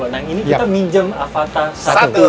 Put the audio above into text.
nah ini kita minjem avatar satu nya mas edi